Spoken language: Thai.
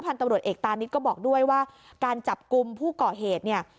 ตำรวจเอกตานิดก็บอกด้วยว่าการจับกลุ่มผู้ก่อเหตุเนี่ย